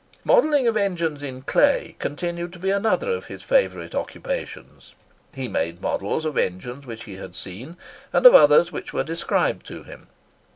Modelling of engines in clay continued to be another of his favourite occupations. He made models of engines which he had seen, and of others which were described to him.